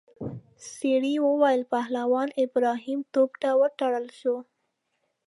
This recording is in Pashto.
سړي وویل پهلوان ابراهیم توپ ته وتړل شو.